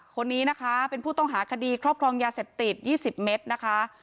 คนนี้นะคะเป็นผู้ต้องหาคดีครอบครองยาเสพติด๒๐เมตรนะคะ